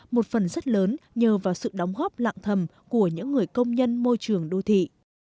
một phần rất lớn nhờ vào sự đóng góp lạng thầm của những người công nhân môi trường đô thị